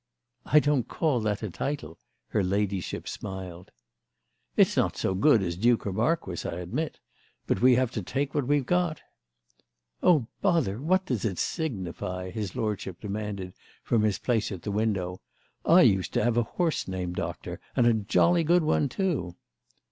"I don't call that a title," her ladyship smiled. "It's not so good as duke or marquis, I admit; but we have to take what we've got." "Oh bother, what does it signify?" his lordship demanded from his place at the window. "I used to have a horse named Doctor, and a jolly good one too."